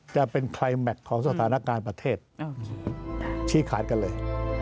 จะเป็นใครแมคของสถานการณ์ประเทศชี้ขาดกันเลย